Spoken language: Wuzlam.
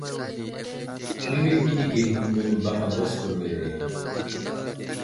Ɗimirkinige hehme məbaka baskur wele.